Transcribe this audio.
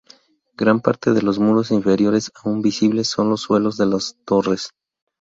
Gran parte de los muros inferiores aún visibles son los suelos de las torres.